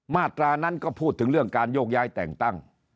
มาตรานั้นก็พูดถึงเรื่องการโยกย้ายแต่งตั้ง